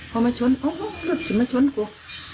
พอมาช้นโอ้โหรถมันมาช้นกู